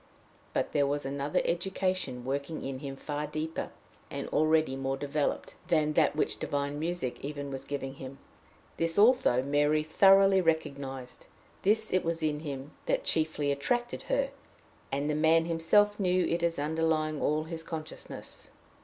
But there was another education working in him far deeper, and already more developed, than that which divine music even was giving him; this also Mary thoroughly recognized; this it was in him that chiefly attracted her; and the man himself knew it as underlying all his consciousness.